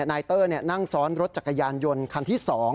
นายเตอร์นั่งซ้อนรถจักรยานยนต์คันที่๒